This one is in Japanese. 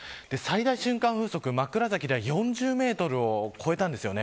最大瞬間風速、枕崎では４０メートルを超えたんです。